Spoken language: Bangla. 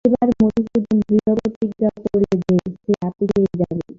এইবার মধুসূদন দৃঢ় প্রতিজ্ঞা করলে যে, সে আপিসে যাবেই।